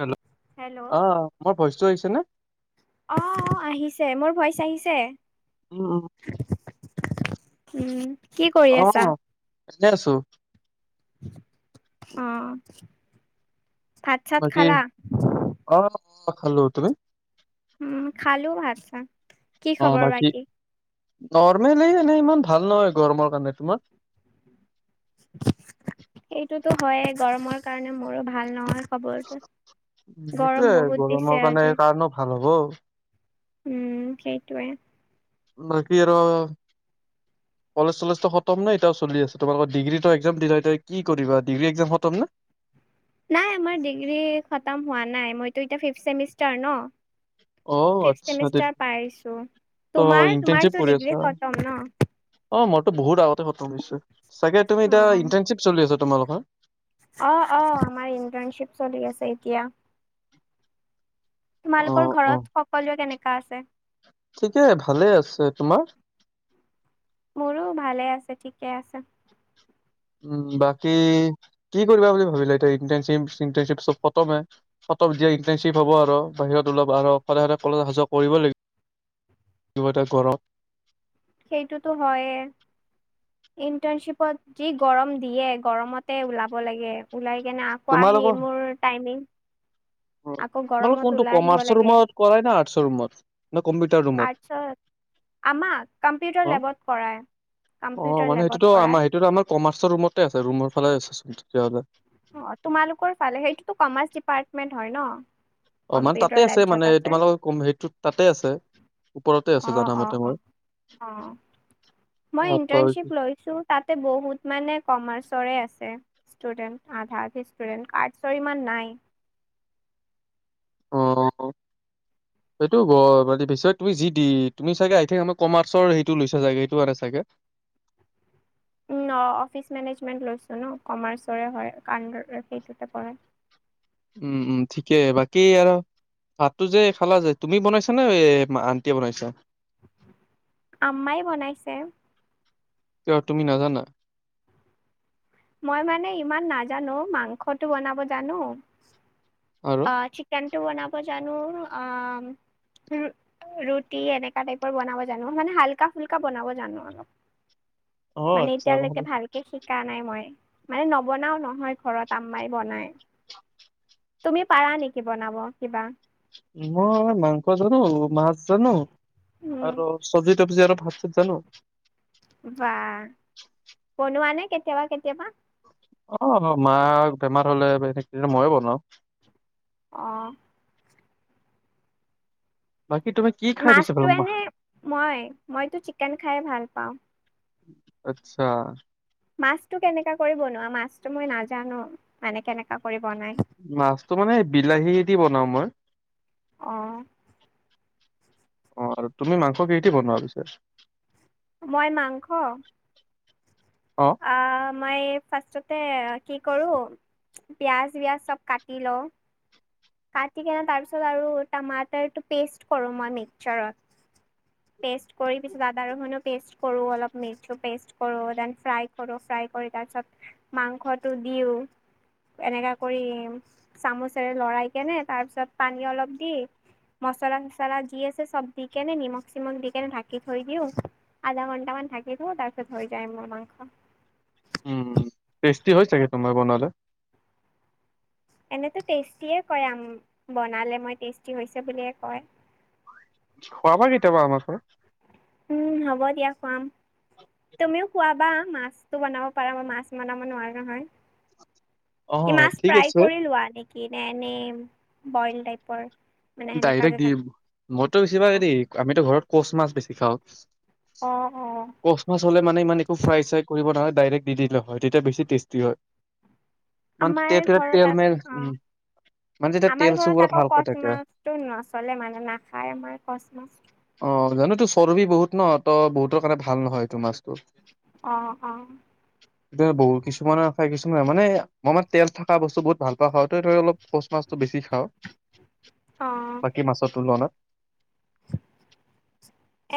Hello অ মোৰ voice টো আহিছে নে অ আহিছে মোৰ ভইচ আহিছে অ অ উম কি কৰি অ আছা এনে আছো অ ভাত চাত বাকী খালা অ অ খালো তুমি উম খালো ভাষা অ বাকী নৰ্মেল এানে ইমান ভাল নহয় গৰমৰ কাৰণে তোমাৰ সেইটোতো হয় গৰমৰ কাৰণে মোৰো ভাল নহয় খবৰটো উম, সেইটোয়ে গৰম বহুত গৰমৰ দিছে কাৰণে আজি কাৰণো ভাল হ'ব উম সেইটয়ে নক ৰ কলেজ চলেজটো খতম নে এতিও চলি আছে তোমালোকৰ ডিগ্ৰী টো এক্ দিা এতিয়া কি কৰিবা ডিগ্ৰী এক্জাম খতম নে নাই আমাৰ ডিগ্ৰী খতম হোৱা নাই মইতো এতিয়া ফিফথ মিষ্টাৰ ন অ ফিফ আচ্ছা তে চেমিষ্টাৰ পাইছো ত তোমাৰ তোমাৰ ইণ্টাৰ্ণশ্বিপ কৰি আছা ডিগ্ৰী খতম ন অ মইতো বহুত আগতে খতম হৈছো চাগে তুমি এতিয়া অ ইণ্টাৰ্শিপ চলি আছা তোমাৰালোকৰ অ অ আমাৰ ইণ্টাৰ্ণশ্বিপ চলি আছে এতিয়া অ তোমালোকৰ অ ঘৰত সকলোৱে কেনেকা আছে? ঠিকে ভালে আছে তোমাৰ? মোৰো ভালে আছে, ঠিকে আছে। উম, বাকী কি কৰিবা বুলি ভাবিলে এতিয়া, ইণ্টাৰ্নশ্বিপ চিণ্টাৰ্নশ্বিপ চব খতমেই? ফটো দিয়া ইন্টাৰ্শ্বিপ হ'ব আৰু বাহিৰত ল আৰু সদায় সদায় কলেজ আহা জোৱা কৰিব লাগিব। কিবা এটা কৰ সেইটোতো হয়ে। ইণ্টাৰ্ণশ্বিপত যি গৰম দিয়ে গৰমতে ওলাব লাগে, ওলাই কেনে আকৌ আহি তোমালোকৰ মোৰ টাইমিং আকৌ তোমালোক গৰমত কোনটো ওলাই আহিব কমাৰ্চৰ লাগে, ৰুমত কৰাই না আৰ্টছৰ ৰুমত নে কম্পিউটাৰ ৰুমত? আৰ্টছ আমাক, কম্পিউটাৰ অ', লেবত কৰায় অ', মানে কম্পিউটাৰ সেইটোতো লেবত আমাৰ কৰায়। সেইটোতো আমাৰ কমাৰ্চৰ ৰুমতে আছে ৰুমৰ ফালে আছেচোন তেতিয়াহলে। অ', তোমালোকৰ ফালে সেইটোতো কমাৰ্চ ডিপাৰ্টমেন্ট হয় ন? অ', মানে তাতে কম্পিউটাৰ লেব আছে য'ত মানে তোমালোকৰ হেৰিটো তাতে আছে। ওপৰতে অ আছে অ জানামতে অ মই অ মই অ', ইণ্টাৰ্নশ্বিপ লৈছো তাতে বহুত মানে কমাৰ্চৰে আছে ইস্তূদেন্ট। আধা আধি ষ্টুদেণ্ট আৰ্টছৰ ইমান নাই। অ', সেইটো বিছয় তুমি যি দি, তুমি চাগে আই থিং আমাৰ কমাৰ্চৰ সেইটো লৈছা চাগে সেইটো আনে চাগে। অ', অফিচ মেনেজমেণ্ট লৈছো ন' কমাৰ্চৰে হয় সেইটোতে পৰে। উম, উম, ঠিকেই বাকী আৰু ভাতটো যে খালা যে তুমি বনাইছা নে এ আন্টিয়ে বনাইছা? আম্মাই বনাইছে। কিয় তুমি নাজানা? মই মানে ইমান নাজানো মাংসটো বনাব জানো আৰু? আ, চিকেনটো বনাব জানো আ ৰুটি এনেকা টাইপৰ বনাব জানো মানে হাল্কা ফুল্কা বনাব জানো অলপ। অ', মানে আচ্ছা এতিয়ালৈকে নহ'লে ভাল কে শিকা নাই মই, মানে নবনাও নহয় ঘৰত আম্মাই বনাই। তুমি পাৰা নেকি বনাব কিবা? মই মাংস জানো মাছ জানো উম, আৰু সবজি তবজি আৰু ভাত চাত জানো। বাহ বনোৱা নে কেতিয়াবা কেতিয়াবা? অ', মা বেমাৰ হলে মইয়ে বনাওঁ। অ', বাকী তুমি কি খাই বেছি ভাল মাছটো মা এনে, মই মইটো চিকেন খাই ভাল পাওঁ। আচ্ছা মাছটো কেনেকা কৰি বনোৱা, মাছটো মই নাজানো মানে কেনেকা কৰি বনাই। মাছটো মানে বিলাহী দি বনাওঁ মই অ', অ', আৰু তুমি মাংস কেহেদি বনোৱা পিছা? মই মাংস অ', আ, মই ফাৰ্ষ্টতে কি কৰোঁ পিঁয়াজ বিয়াজ চব কাটি লওঁ কাটি কিনে তাৰ পিছত আৰু টামাটাৰটো পেষ্ট কৰো মই মিক্সাৰত। [inaudible] পে'ষ্ট কৰি পিছত আদা ৰহুণো পেষ্ট কৰোঁ, অলপ মেৰ্চি পে'ষ্ট কৰোঁ, দেন ফ্ৰাই কৰোঁ ফ্ৰাই কৰি তাৰপিছত মাংসটো দিও এনেকা কৰি চামুচেৰে লৰাই কেনে তাৰ পিছত পানী অলপ দি মচলা চচলা যি আছে সব দি কেনে নিমখ চিমখ দি কেনে ঢাকি থৈ দিওঁ আধা ঘণ্টা মান থাকি দিব তাৰপিছত হৈ যায় মোৰ মাংস উম, টেষ্টি হয় চাগে তোমাৰ বনালে। এনেতো টেষ্টিয়ে কয় আম বনালে মই টেষ্টি হৈছে বুলিয়ে কয়। খোৱাবা কেতিয়াবা আমাৰ ওচৰত। উম, হ'ব দিয়া খুৱাম। তুমিও খোৱাবা মাছতো বনাব পাৰা, মই মাছ বনাব নোৱাৰোঁ নহয়। কি অ', মাছ ঠিক ফ্ৰাই আছে। কৰি লোৱা নেকি নে এনেই বইল টাইপৰ। মানে সেনেকা ডাইৰেক্ট যে থাকে দিম, মইতো বেছিভাগদি আমিতো ঘৰত কচ মাছ বেছি খাও। অ'। কচমাছ হলে মানে ইমান একো ফ্ৰাই চ্ৰাই কৰিব নোলাগে ডাইৰেক্ট দি দিলে হয় তেতিয়া বেছি টেষ্টি হয়। [unintelligible] আমাৰ ঘৰত তেল মেল অ উম। মানে যেতিয়া তেল চুবলে ভালকৈ থাকে। টো নচলে মানে নাখায় আমাৰ কচ মাছ। অ', জানোঁ তো চৰ্বি বহুত ন ত, বহুতৰ কাৰণে ভাল নহয় এইটো মাছটো। অ', অ। বহু কিছুমানে খায় কিছুমানে মানে মই মানে তেল থকা বস্তু বহুত ভাল পোৱা খ হয় ত ধ অলপ পচ মাছটো বেছি খাওঁ অ', বাকী মাছৰ তোুলোৱা নাত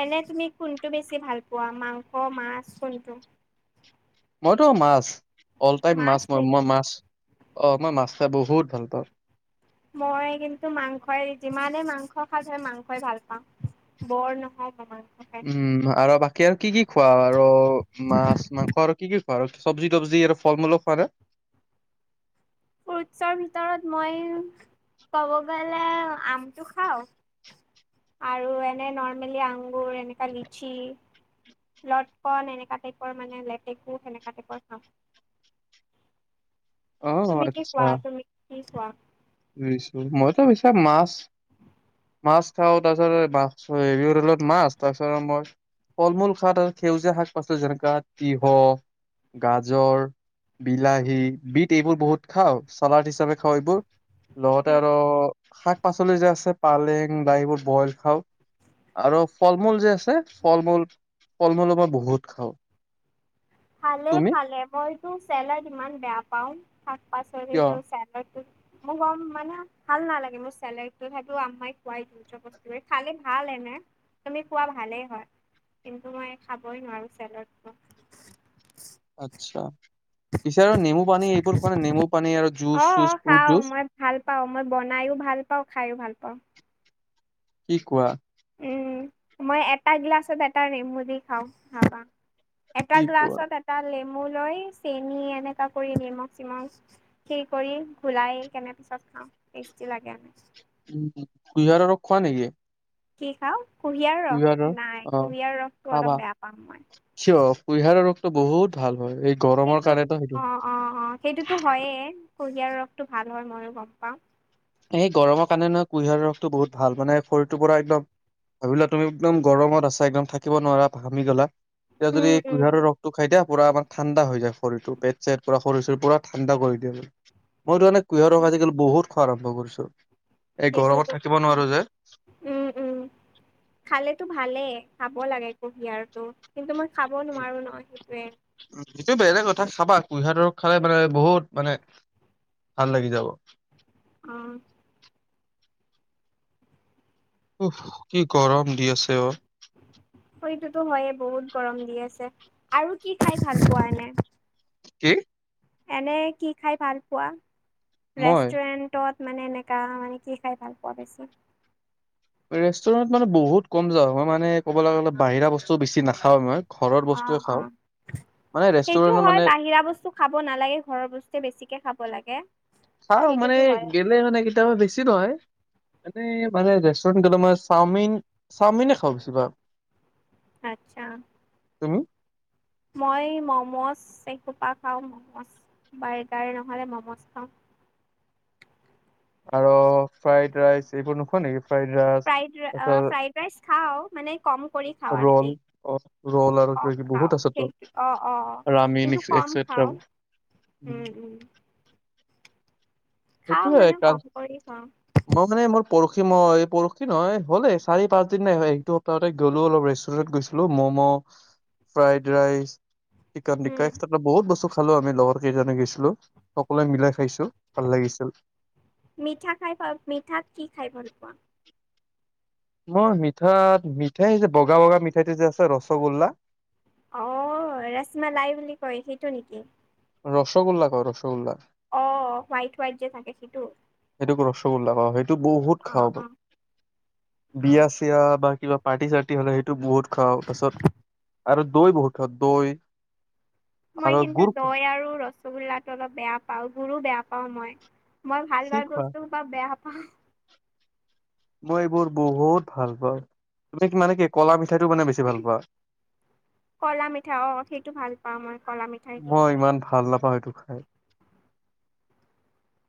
এনে তুমি কোনটো বেছি ভাল পোৱা মাংস মাছ কোনটো মইতো মাছ অলটাইম মাছ মই মই মাছ অ মই মাছ খাই বহুত ভাল পাওঁ মই কিন্তু মাংসই যিমানে মাংস খাজ হয় মাংসই ভাল পাওঁ বৰ নহয় মানাৰ উম আৰু বাকী আৰু কি কি খোৱা আৰু মাছ মাংস আৰু কি কি খোৱা আৰু চবজি তবজি আৰু ফল মূলো খোৱা না ফ্ৰুটছৰ ভিতৰত মই ক'ব গ'লে আমটো খাওঁ আৰু এনে নৰ্মেলি আংগুৰ এনেকা লিচি লটকন এনেককা টাইপৰ মানে লেটেকু সেনেকা টাইপৰ চাওঁ অ', তুমি কি খোৱা তুমি কি খোৱা ছো মইতো পছ মাছ মাছ খাওঁ তাৰপিছতছ হেলত মাছ তাৰপিছত মই ফল মূল শাক আৰু সেউজীয়া শাক পাচলি যেনেককা তিঁহ গাজৰ বিলাহী বিট এইবোৰ বহুত খাওঁ চালাড হিচাপে খাওঁ এইবোৰ লগতে উম। আৰু শাক পাচলি যে আছে পালেং দাইবোৰ বইল খাওঁ আৰু ফল মূল যে আছে ফল মূল ফল মূলো মই বহুত খাওঁ খালে তুমি খালে মইতটো চেলাড ইমান বেয়া পাও শাক পাচ কিয়? চ মোৰ কম মানে ভাল নালাগে মোৰ চেলে তথাপো আম্মাই খোৱাই দিওঁ চব খালে ভাল এনে তুমি খোৱা ভালেই হয় কিন্তু মই খাবই নোৱাৰো চেলডটো [inaudible] আচ্ছা পিছে আৰু নেমু পানী এইবোৰ খোৱা নে নেমু পানী আৰু অ জুচ চুচ ফট খাওঁ জুচ মই ভাল পাওঁ মই বনাইো ভাল পাওঁ খাইও ভাল পাওঁ কি কোৱা উম মই এটা গিলাছত এটা ৰিম বুলি খাওঁ ভ পা এটা কি কোৱা গ্লাছত এটা লেমু লৈ চেনি এনেকা কৰি নিমখ চিমখ হে কৰি ঘুলাই কেনে পিছত খাওঁ টেষ্টি লাগে আম উ কুহিয়াৰ ৰ খোৱা নেকি কি খাও কুঁহিয়াৰ কুঁহিয়াৰৰ ৰস নাই কুঁহিয়াৰ ৰসটো অলপ বেয়া পাম মই চিয় কুইহাৰৰ ৰোগটো বহুত ভাল হয় এই গৰমৰ সেইটো কাৰণেতো সেইটো অঁ অঁ অঁ সেইটোতো হয়েই কুঁহিয়াৰ ৰসটো ভাল হয় ময়ো গম পাওঁ এই গৰমৰ কাৰণে নহয় কুঁহিয়াৰ ৰসটো বহুত ভাল, মানে শৰীৰটোৰ পৰা একদম ভাবিলা তুমি একদম গৰমত আছা একদম থাকিব নোৱাৰা ঘামি গ'লা, এতিয়া যদি কুঁহিয়াৰৰ উম ৰস সটো খাই দিয়া পুৰা আমাৰ ঠাণ্ডা হৈ যায় শৰীৰটো পেট চেট পুৰা শৰীৰ চৰীৰ পুৰা ঠাণ্ডা কৰি দিয়ে। মইতো মানে কুঁহিয়াৰ উম ৰস আজিকালি বহুত খোৱা আৰম্ভ কৰিছো এই গৰমত সেইটোতো থাকিব নোৱাৰো যে। উম, উম খালেতো ভালেই, খাব লাগে কুহিয়াৰটো। কিন্তু মই খাব নোৱাৰো ন সেইটোৱে। সেটো বেলেগ কথা খাবা কুঁহিয়াৰ ৰস খালে মানে বহুত মানে ভাল লাগি যাব। অ'। উস কি গৰম দি আছে অ'। সেইটোতো হয়ে বহুত গৰম দি আছে। আৰু কি খাই ভাল পোৱা এনেই? কি? এনেই কি খাই ভাল পোৱা? মই ৰেষ্টুৰেণ্ট তত মানে এনেকা মানে কি খাই ভাল পোৱা বেছি? ৰেষ্টুৰেন্টত মানে বহুত কম যাওঁ হয় মই মানে ক'বলৈ গ'লে বাহিৰা বস্তু বেছি নাখাও মই। ঘৰৰ অ', বস্তুৱে খাওঁ অ' মানে সেইটো ৰেষ্টুৰেণ্টৰ হয় মানে বাহিৰা বস্তু খাব নালাগে ঘৰৰ বস্তুুৱে বেছিকে খাব লাগে। খাও মানে সেইটোতো হয়। গেলে মানে কেতিয়াবা বেছি নহয় এনেই মানে ৰেষ্টুৰেণ্ট গ'লে মই চাওমিন চাওমিনে খাওঁ বেচি ভাগ। আচ্ছা। তুমি? মই ম'ম'জ এসোপা খাওঁ ম'ম'জ বাৰ্গাৰ নহ'লে ম'ম'জ খাওঁ। আৰু ফ্ৰাইড ৰাইচ এইবোৰ নোখোৱা নেকি? ফ্ৰাইড ৰাইচ ফ্ৰাইড তাৰপিছত ফ্ৰাইড ৰাইচ খাওঁ মানে কম কৰি খাওঁ আৰু ৰল কি। অ ৰল আৰু কিবা চব কিবি বহুত খাওঁ আছেতো সেইটো অ', অ' ৰামিন কিন্তু ক'ম এক্সেট্ৰা। খাওঁ। উম, উম। খাওঁ সেইটোও হয় মানে কাল কম কৰি খাওঁ মই মানে মোৰ পৰহি মই পৰহি নহয় হ'লে চাৰি পাঁচ দিন নাই একো সপ্তাহতে গ'লো অলপ ৰেষ্টুৰেণ্টত গৈছো। Momo fried rice chicken tikka, উম বহুত বস্তু খালো আমি লগৰ কেইজনে গৈছিলো সকলোৱে মিলাই খাইছো। ভাল লাগিছিল। মিঠা খাই পা মিঠাত কি খাই ভাল পোৱা? মই মিঠাত মিঠাই যে বগা বগা মিঠাইতে যে আছে ৰসগোল্লা অ' ৰসমলাই বুলি কয় সেইটো নেকি? ৰসগোল্লা কয় ৰসগোল্লা। অ' হোৱাইট হোৱাইট যে থাকে সেইটো? সেইটোক ৰসগোল্লা কয়, সেইটো বহুত অ খওঁ অ মই। অ। বিয়া য়া বা কিবা পাৰ্টি চাৰ্টি হ'লে সেইটো বহুত খাওঁ। পাছত আৰু দৈ বহুত খাওঁ। দৈ- আৰু মই কিন্তু গুৰ খোৱা দৈ আৰু ৰসগোল্লাটো অলপ বেয়া পাওঁ গুড়ো বেয়া পাওঁ মই। মই ভাল কি ভাল খোৱা বস্তু সোপা বেয়া পাওঁ। মই এইবোৰ বহুত ভাল পাওঁ, তুমি মানে কি ক'লা মিঠাইটো মানে বেছি ভাল পোৱা? ক'লা মিঠাই অ' সেইটো ভাল পাওঁ মই ক'লা মিঠাই। মই ইমান ভাল নাপাওঁ সেইটো খাই।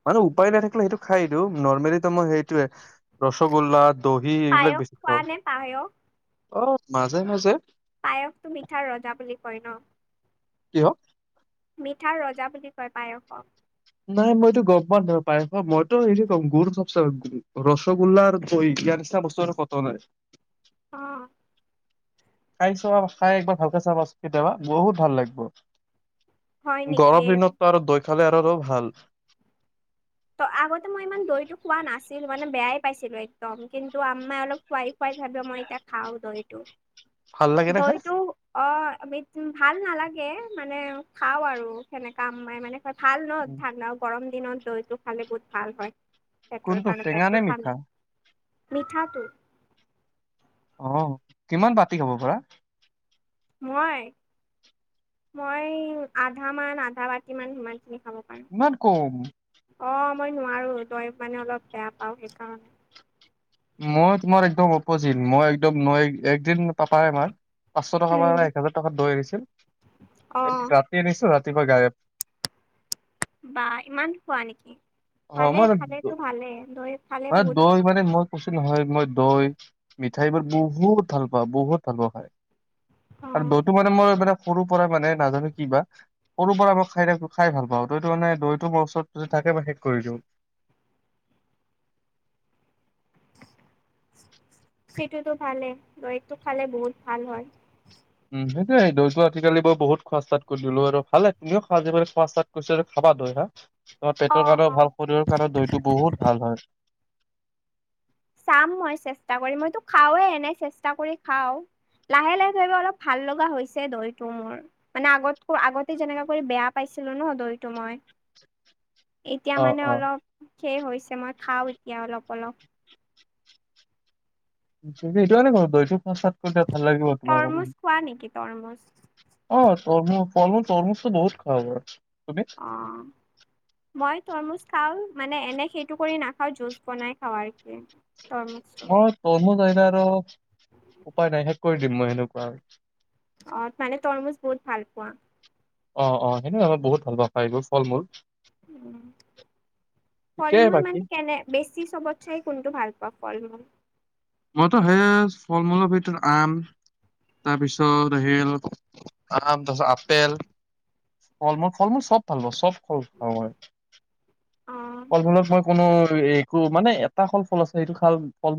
মানে উপায় নাথাকিলে সেইটো খাই দিও। ৰ্নমেলি মইটো সেইটোয়ে ৰসগোল্লা দহি এইবিলাক পায়স বেছি খোৱা খাওঁ। নে পায়স অ' মাজে মাজে পায়সটো মিঠাৰ ৰজা বুলি কয় ন! কি হক? মিঠাৰ ৰজা বুলি কয় পায়সক। নাই মইতো গ'ম পোৱা নাই, পায়সক মইতো এইটো কম গুুৰ চব ৰগোল্লাৰ ই নিচিনা বস্তু [inaudible] অ'। খাই চাবা খাই একবাৰ ভালকে চাবা কেতিয়াবা বহুত ভাল লাগিব। হয় নেকি গৰম দিনতো আৰু দৈ খালে আৰু ভাল। ত' আগতে মই ইমান দৈটো খোৱা নাছিল মানে বেয়াই পাইছিলো একদম কিন্তু আম্মাই অলপ খাই খাই ভাৱ মই এতিয়া খাওঁ দৈটো ভাল লাগে নে খাই? দৈটো অম ভাল নালাগে মানে খাও আৰু সেনেকা মানে ভাল ন ঠাণ্ডা গৰম দিনত দ এইটো খালে বহুত ভাল হয়। পেটৰ কোনটো কাৰণে টেঙা নে পেটটোঠান মিঠা? মিঠাটো। অ' কিমান পতি হ'ব পৰা। মই মই আধ মান আধা বাতি মান সমানখিনি খাব পাৰো। ইমান কম। অ' মই নোৱাৰো তই মানে অলপ বেয়া পাও, সেইকাৰণে। মই তোমাৰ একদম অপজিত। মই একদম একদিন পাপাই আমাৰ পাঁচশ টকাৰ উম পৰা এক হোজাৰ টকাত দৈ আনিছিল। অ ৰাতি আনিছো ৰাতিপুৱা গাই। বা ইমান খোৱা নেকি অ ভালে মই খালেতো ভালে, দৈ খালে বহুত ভাল। কছি নহয় মই দৈ মিঠাইবোৰ বহুত ভাল পাওঁ বহুত ভাল পাওঁ খাই। অ আৰু দৌটো মানে মই মানে সৰুৰ পৰা মানে নাজানো কি বা সৰু পৰা মই খাই থাক খাই ভাল পাওঁ। দৈইটো মানে দৈটো মোৰ ওচৰত যদি থাকে বা শেষ কৰি দিওঁ। সেইটোতো ভালেই দৰিটো খালে বহুত ভাল হয়। উম, সেইটোয়ে টো দৈ টো আজিকালি বহুত খোৱা চাত কৰি দিলো আৰু ভাল তুমিও খোৱা কৈছ খাবা দৈ হা তোমাৰ অ পেটৰ কাৰণেও অ ভাল শৰীৰৰ কাৰণেও দৈতটো বহুত ভাল হয়। চাম মই চেষ্টা কৰি মইতো খাওঁৱে এনে চেষ্টা কৰি খাওঁ। লাহে লাহে ধৰিবা অলপ ভাল লগা হৈছে দৈটো মোৰ। মানে আগতকৈ আগতে যেনেকা কৰি বেয়া পাইছিলো ন দৈটো মই [inaudible] এতিয়া অ মানে অ অলপ শেষ হৈছে মই খাওঁ এতিয়া অলপ অলপ। সই এইটো কৰ দৈইটো খোৱা স্টাট কৰি দিয়া ভাল লাগিব তোমাৰ তৰমুজ খোৱা নেকি তৰমুজ অ' তমু ফমুচ তৰমুচটো বহুত খাব আৰু তুমি অ'। মই তৰমুজ খাও মানে এনে সেইটো কৰি নাখাও জুচ বনাই খাওঁ। তৰমুজটো মই তৰমোজ যায় নাই আৰু উপায় নাই শেষ কৰি দিম। মই সেণেকুৱা। অ' মানে তৰমুজ বহুত ভাল পোৱা। অ', অ' সেনে আমি বহুত ভাল এইবোৰ ফল মূল। ফল ঠিকেই মূল বাকী মানে কেনে বেছি চবত চাই কোনটো ভাল পোৱাওঁ ফল মূল। মইতো সেইয় ফল মূলৰ ভিতৰত আম। তাৰপিছত আহিল আম তাৰপিছত আপেল। ফল মূল ফল মূল চব ভাল পাওঁ চব ফল ভাল হয় অ ফল মূলত মই কোনো একো মানে এটা কল ফল আছে সেইটোল ফল ম